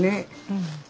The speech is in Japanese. うん。